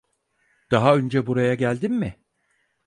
Daha önce buraya geldin mi?